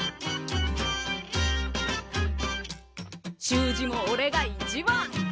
習字もおれが一番！